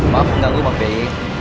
maaf mengganggu bang safei